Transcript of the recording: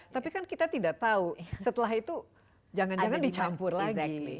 tapi kan kita tidak tahu setelah itu jangan jangan dicampur lagi